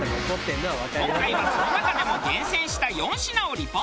今回はその中でも厳選した４品をリポート。